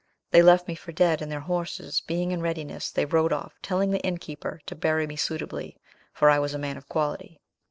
They left me for dead, and their horses being in readiness, they rode off, telling the innkeeper to bury me suitably, for I was a man of quality.